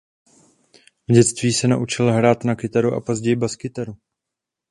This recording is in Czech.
V dětství se naučil hrát na kytaru a později baskytaru.